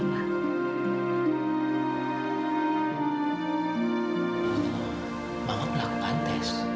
mama melakukan tes